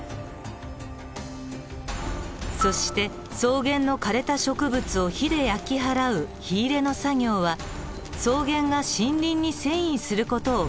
そして草原の枯れた植物を火で焼き払う火入れの作業は草原が森林に遷移する事を防いできました。